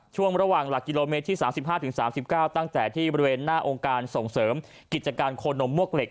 ช่วงระหว่างหลักกิโลเมตรที่๓๕๓๙ตั้งแต่ที่บริเวณหน้าองค์การส่งเสริมกิจการโคนมมวกเหล็